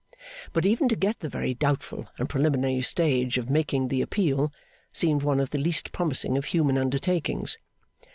But even to get the very doubtful and preliminary stage of making the appeal, seemed one of the least promising of human undertakings.